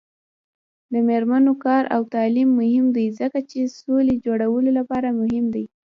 د میرمنو کار او تعلیم مهم دی ځکه چې سولې جوړولو لپاره مهم دی.